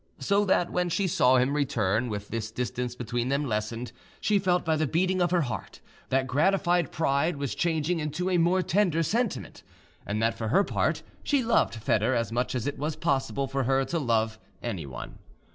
So that, when she saw him return with this distance between them lessened, she felt by the beating of her heart that gratified pride was changing into a more tender sentiment, and that for her part she loved Foedor as much as it was possible for her to love anyone.